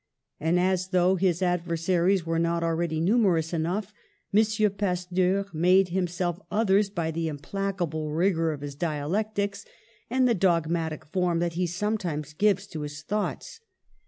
And, as though his adversaries were not already numerous enough, M. Pasteur made himself others by the im placable rigour of his dialectics and the dog matic form that he sometimes gives to his thoughts.'